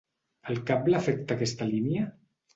El cable afecta a aquesta línia?